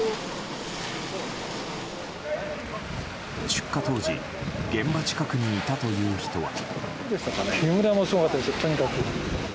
出火当時現場近くにいたという人は。